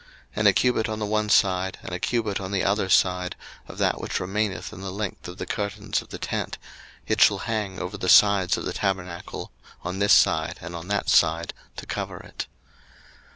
02:026:013 And a cubit on the one side, and a cubit on the other side of that which remaineth in the length of the curtains of the tent, it shall hang over the sides of the tabernacle on this side and on that side, to cover it.